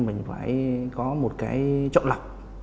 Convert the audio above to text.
mình phải có một cái trọng lọc